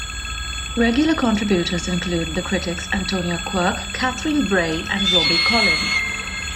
Regular contributors include the critics Antonia Quirke, Catherine Bray, and Robbie Collin.